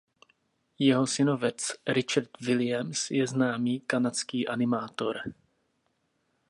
Jeho synovec Richard Williams je známý kanadský animátor.